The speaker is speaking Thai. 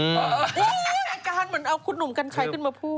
อาการเหมือนเอาคุณหนุ่มกัญชัยขึ้นมาพูด